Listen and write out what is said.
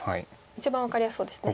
一番分かりやすそうですね。